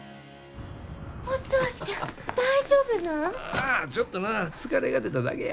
ああちょっとな疲れが出ただけや。